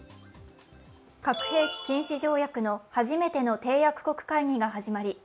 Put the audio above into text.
核兵器禁止条約の初めての締約国会議が始まり